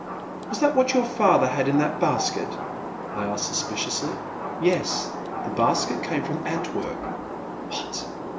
'* "Was that what your father had in that basket?" I asked suspiciously. " Yes, the basket came from Antwerp." " What